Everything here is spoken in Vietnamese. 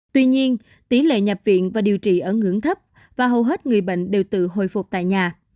tuy nhiên tỷ lệ nhập viện và điều trị ở ngưỡng thấp và hầu hết người bệnh đều tự hồi phục tại nhà